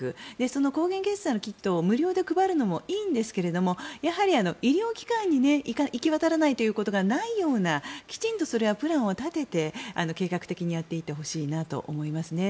その抗原検査のキットを無料で配るのもいいんですが医療機関に行き渡らないということがないようなきちんとそれはプランを立てて計画的にやっていってほしいなと思いますね。